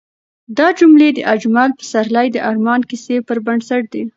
دا جملې د اجمل پسرلي د ارمان کیسې پر بنسټ دي.